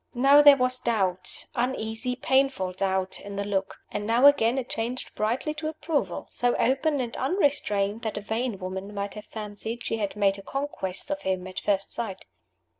Now there was doubt uneasy, painful doubt in the look; and now again it changed brightly to approval, so open and unrestrained that a vain woman might have fancied she had made a conquest of him at first sight.